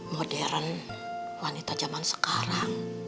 modern wanita zaman sekarang